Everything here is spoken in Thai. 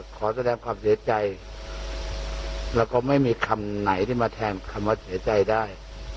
ขอแสดงความเสียใจและไม่มีคำไหนมาแทนความเสียใจได้